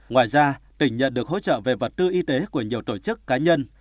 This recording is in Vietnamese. ngoài ra tỉnh nhận được hỗ trợ về vật tư y tế của nhiều tổ chức cá nhân